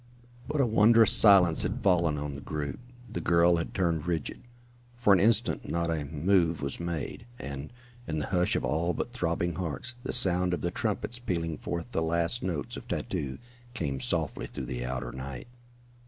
But a wondrous silence had fallen on the group. The girl had turned rigid. For an instant not a move was made, and, in the hush of all but throbbing hearts, the sound of the trumpets pealing forth the last notes of tattoo came softly through the outer night.